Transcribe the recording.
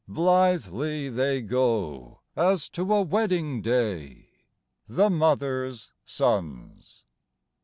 Blithely they go as to a wedding day, The mothers' sons.